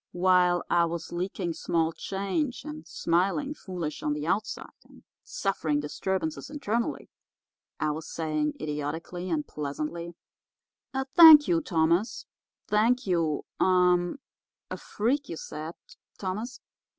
While I was leaking small change and smiling foolish on the outside, and suffering disturbances internally, I was saying, idiotically and pleasantly: "'Thank you, Thomas—thank you—er—a freak, you said, Thomas.